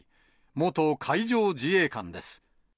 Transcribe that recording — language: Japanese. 元海上自衛官です。